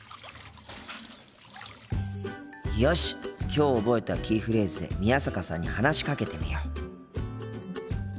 きょう覚えたキーフレーズで宮坂さんに話しかけてみよう。